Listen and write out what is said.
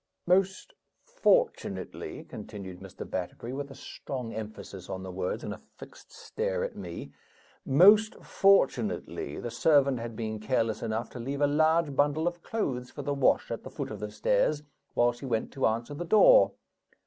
"Most fortunately," continued Mr. Batterbury, with a strong emphasis on the words, and a fixed stare at me; "most fortunately, the servant had been careless enough to leave a large bundle of clothes for the wash at the foot of the stairs, while she went to answer the door.